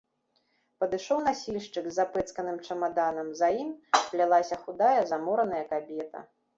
Падышоў насільшчык з запэцканым чамаданам, за ім плялася худая, замораная кабета.